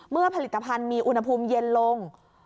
ผลิตภัณฑ์มีอุณหภูมิเย็นลง